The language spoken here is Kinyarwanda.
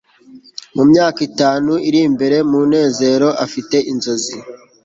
mu myaka itanu iri mbere, munezero afite inzozi